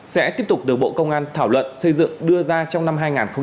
sẽ tiếp tục được bộ công an thảo luận xây dựng đưa ra trong năm hai nghìn hai mươi